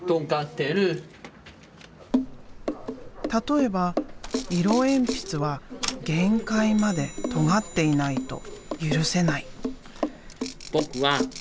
例えば色鉛筆は限界までとがっていないと許せない。